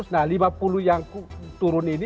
nah lima puluh yang turun ini